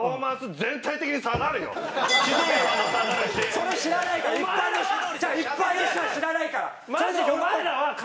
それ知らないから違う！